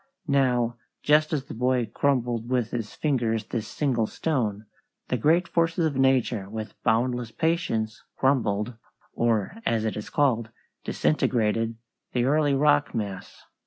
Now, just as the boy crumbled with his fingers this single stone, the great forces of nature with boundless patience crumbled, or, as it is called, disintegrated, the early rock mass.